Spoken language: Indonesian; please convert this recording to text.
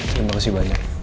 terima kasih banyak